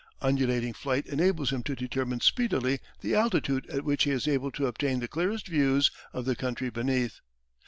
Undulating flight enables him to determine speedily the altitude at which he is able to obtain the clearest views of the country beneath.